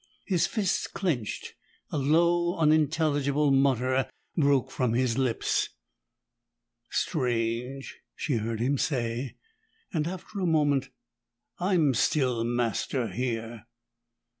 His fists clenched; a low unintelligible mutter broke from his lips. "Strange!" she heard him say, and after a moment, "I'm still master here!"